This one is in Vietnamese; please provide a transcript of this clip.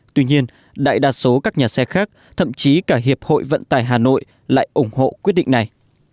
tuy nhiên đại đa số các nhà xe khác thậm chí cả hiệp hội vận tải hà nội lại ủng hộ quyết định này